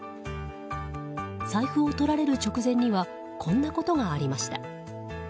財布を取られる直前にはこんなことがありました。